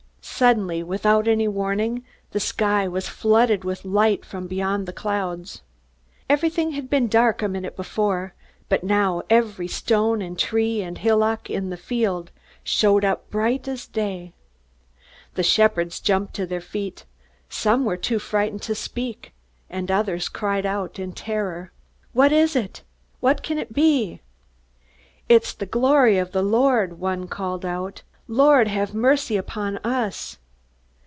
Suddenly, without any warning, the sky was flooded with light from beyond the clouds. Everything had been dark a minute before, but now every stone and tree and hillock in the field showed up bright as day. The shepherds jumped to their feet. Some were too frightened to speak, and others cried out in terror. "What is it?" "What can it be?" "It's the glory of the Lord," one called out. "Lord, have mercy upon us!"